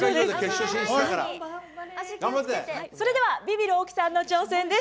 それではビビる大木さんの挑戦です。